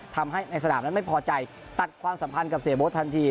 ทำให้ในสนามนั้นไม่พอใจตัดความสัมพันธ์กับเสียโบ๊ททันที